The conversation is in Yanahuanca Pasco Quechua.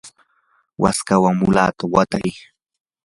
waskawan mulata watay.